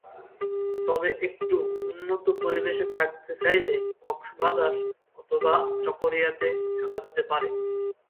তবে একটু উন্নত পরিবেশে থাকতে চাইলে কক্সবাজার অথবা চকরিয়া তে থাকা যেতে পারে।